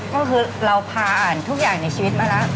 ก็คือเราพาอ่านทุกอย่างในชีวิตมาแล้ว